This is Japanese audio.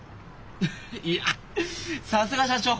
フフッいやさすが社長！